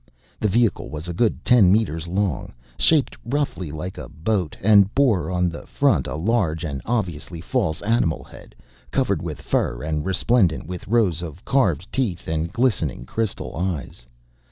The vehicle was a good ten meters long, shaped roughly like a boat, and bore on the front a large and obviously false animal head covered with fur and resplendent with rows of carved teeth and glistening crystal eyes.